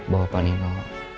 bahwa pak nino